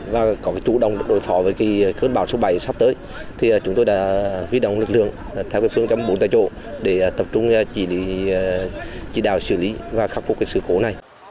và có cái chủ động đối phó với cái cơn bão số bảy sắp tới thì chúng tôi đã huyết động lực lượng theo phương chấm bốn tại chỗ để tập trung chỉ đào xử lý và khắc phục cái sự cố này